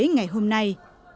ngày hôm nay